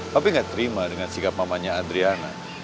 pak pi nggak terima dengan sikap mamanya adriana